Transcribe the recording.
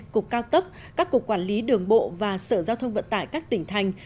cục cao tốc các cục quản lý đường bộ và sở giao thông vận tải các tỉnh thành